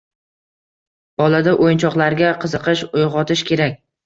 Bolada o‘yinchoqlarga qiziqish uyg‘otish kerak.